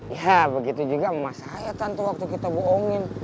ya begitu juga sama saya tante waktu kita bohongin